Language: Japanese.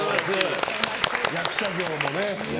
役者業もね。